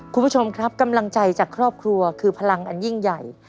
คุณผู้ชมครับกำลังใจจากครอบครัวคือพลังอันยิ่งใหญ่